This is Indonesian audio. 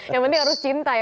yang penting harus cinta ya